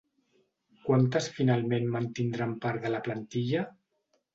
Quantes finalment mantindran part de la plantilla?